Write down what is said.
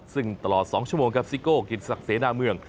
ซึ่งตลอด๒ชั่วโมงครับซิโก้กิจศักดิ์เสนาเมือง